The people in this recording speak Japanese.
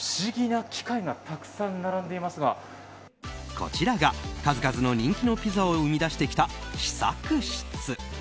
こちらが数々の人気のピザを生み出してきた試作室。